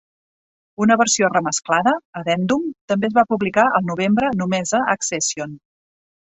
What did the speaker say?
Una versió remesclada, "Addendum", també es va publicar al novembre només a Accession.